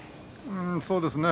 そうですね。